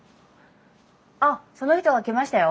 あっその人が来ましたよ。